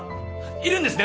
いるんですね！